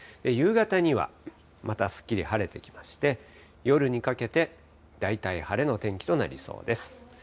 夕方には、またすっきり晴れてきまして、夜にかけて大体晴れの天気となりそうです。